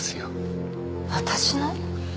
私の？